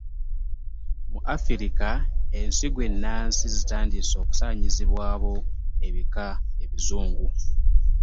Mu Afirika, ensigo ennansi zitandise okusanyizibwawo ebika ebizungu.